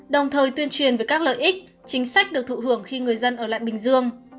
đồng thời tuyên truyền về các lợi ích chính sách được thụ hưởng khi người dân ở lại bình dương